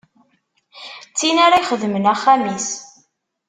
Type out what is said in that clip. D tin ara ixedmen axxam-is.